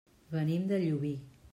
Venim de Llubí.